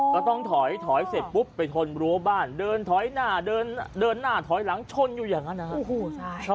ก็ต้องถอยถอยเสร็จปุ๊บไปชนรั้วบ้านเดินถอยหน้าเดินหน้าถอยหลังชนอยู่อย่างนั้นนะครับ